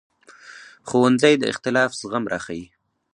ښوونځی د اختلاف زغم راښيي